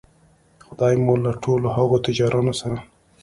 خدای مو له ټولو هغو تجارانو سره